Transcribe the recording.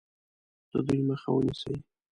د دوی مخه ونیسي.